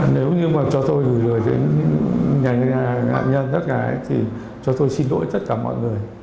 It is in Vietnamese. nếu như mà cho tôi gửi lời đến nhà nhân tất cả ấy thì cho tôi xin lỗi tất cả mọi người